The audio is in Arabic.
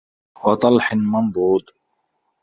وَطَلحٍ مَنضودٍ